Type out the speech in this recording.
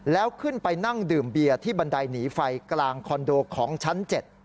แล้วขึ้นไปนั่งดื่มเบียร์ที่บันไดหนีไฟกลางคอนโดของชั้น๗